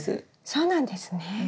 そうなんですね。